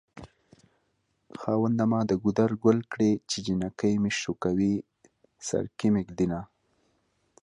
خاونده ما دګودر ګل کړی چې جنکي مې شوکوی سرکې مې ږد ينه